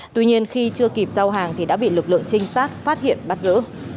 tuy nhiên khi chưa kịp giao hàng thì đã bị lực lượng trinh sát phát hiện bắt giữ